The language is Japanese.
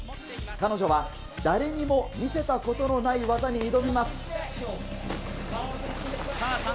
彼女は誰にも見せたことのない技さあ